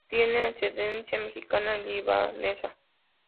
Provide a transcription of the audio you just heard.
Tiene ascendencia mexicana y libanesa.